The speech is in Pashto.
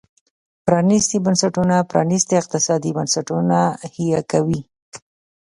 پرانيستي بنسټونه پرانيستي اقتصادي بنسټونه حیه کوي.